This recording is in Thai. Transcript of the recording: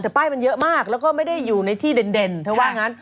แต่ป้ายมันเยอะมากแล้วก็ไม่ได้อยู่ในที่เด่นเธอว่างั้น